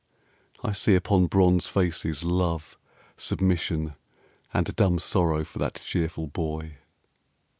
I see upon bronze faces love, submission, And a dumb sorrow for that cheerful Boy.